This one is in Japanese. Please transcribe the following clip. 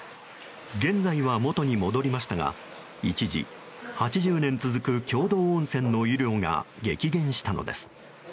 現在は、元に戻りましたが一時、８０年続く共同温泉の湯量が激減したのです。